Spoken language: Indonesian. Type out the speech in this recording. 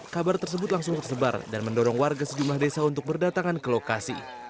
kabar tersebut langsung tersebar dan mendorong warga sejumlah desa untuk berdatangan ke lokasi